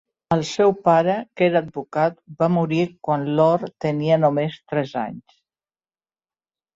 El seu pare, que era advocat, va morir quan Lord tenia només tres anys.